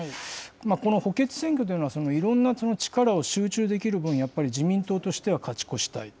この補欠選挙というのは、いろんな力を集中できる分、やっぱり自民党としては勝ち越したいと。